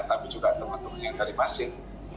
tapi juga teman teman yang dari masjid